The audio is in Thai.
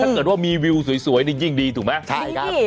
ถ้าเกิดว่ามีวิวสวยนี่ยิ่งดีถูกไหมใช่ครับ